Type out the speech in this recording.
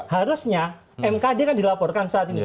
harusnya mkd kan dilaporkan saat ini